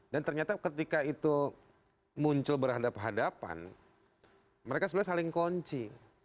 dan ternyata ketika itu muncul berhadapan hadapan mereka sebenarnya saling kunci